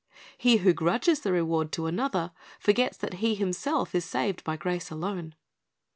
He who grudges the reward to another, forgets that he himself is saved by grace alone.